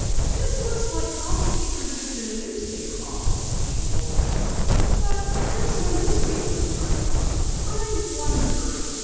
"This looks like copy paper used in a newspaper office," she told herself. "But there is no newspaper in Pine Top, I wonder